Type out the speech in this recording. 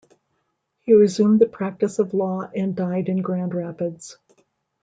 He resumed the practice of law and died in Grand Rapids.